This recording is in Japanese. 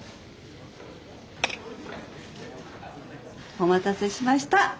お待たせしました！